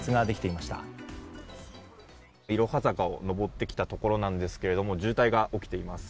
いろは坂を登ってきたところですが渋滞が起きています。